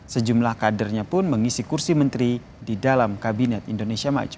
sejumlah kadernya pun mengisi kursi menteri di dalam kabinet indonesia maju